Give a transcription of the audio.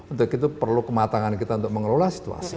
untuk itu perlu kematangan kita untuk mengelola situasi